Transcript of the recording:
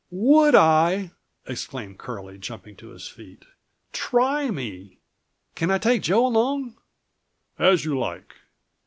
"Would I?" exclaimed Curlie, jumping to his feet. "Try me! Can I take Joe along?" "As you like.